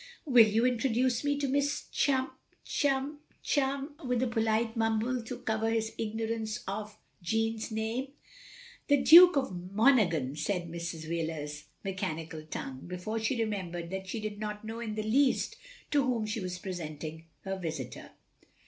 "Will you introduce me to Miss chum — chum — chum,'' with a polite mumble to cover his ignorance of Jeanne's name. "The Duke of Monaghan," said Mrs. Wheler's mechanical tongue, before she remembered that she did not know in the least to whom she was presenting her visitor.